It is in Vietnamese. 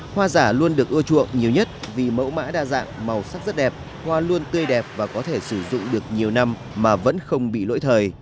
hoa giả luôn được ưa chuộng nhiều nhất vì mẫu mã đa dạng màu sắc rất đẹp hoa luôn tươi đẹp và có thể sử dụng được nhiều năm mà vẫn không bị lỗi thời